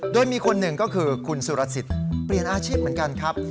โดยมีคนหนึ่งก็คือคุณสุรสิทธิ์เปลี่ยนอาชีพเหมือนกันครับ